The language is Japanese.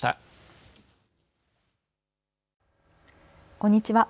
こんにちは。